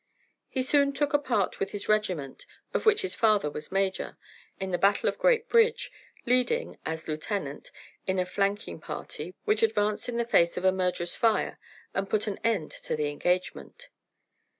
He soon took a part with his regiment, of which his father was major, in the battle of Great Bridge leading, as lieutenant, in a flanking party which advanced in the face of a murderous fire and put an end to the engagement.